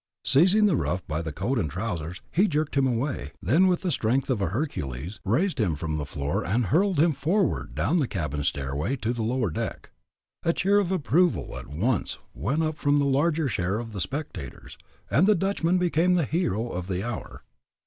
Seizing the rough by the coat and trousers he jerked him away; then with the strength of a Hercules, raised him from the floor and hurled him forward down the cabin stairway to the lower deck. A cheer of approval at once went up from the larger share of the spectators, and the Dutchman became the hero of the hour.